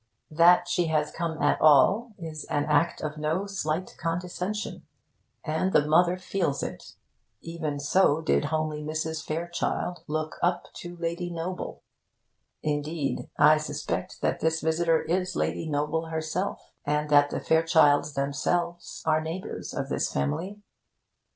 That she has come at all is an act of no slight condescension, and the mother feels it. Even so did homely Mrs. Fairchild look up to Lady Noble. Indeed, I suspect that this visitor is Lady Noble herself, and that the Fairchilds themselves are neighbours of this family.